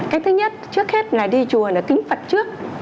cái thứ nhất trước hết là đi chùa là kính phật trước